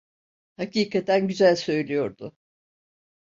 Hakikaten güzel söylüyordu.